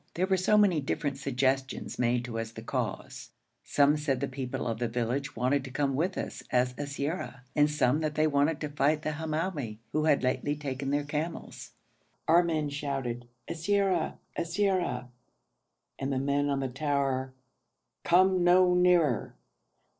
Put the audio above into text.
There were so many different suggestions made as to the cause; some said the people of the village wanted to come with us as siyara, and some that they wanted to fight the Hamoumi, who had lately taken their camels. Our men shouted, 'Siyara! Siyara!' and the men on the tower, 'Come no nearer!'